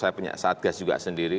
saya punya satgas juga sendiri